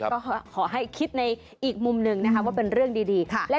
เราก็คิดอีกมุมที่หนึ่งแล้วคำว่าเป็นเรื่องดี